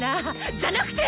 じゃなくて！